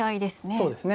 そうですね。